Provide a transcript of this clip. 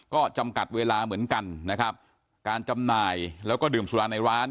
ก็จำกัดเวลาเหมือนกันนะครับการจำหน่ายแล้วก็ดื่มสุราในร้าน